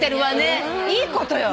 いいことよ。